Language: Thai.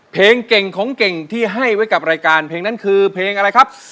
เพลงเก่งของเก่งที่ให้ไว้กับรายการเพลงนั้นคือเพลงอะไรครับ